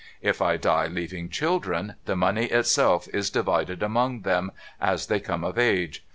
If I die, leaving children, the money itself is divided among them, as they come of age.